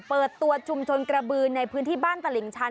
เปิดตัวชุมชนกระบือในพื้นที่บ้านตลิ่งชัน